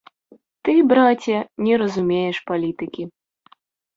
Ты, браце, не разумееш палітыкі.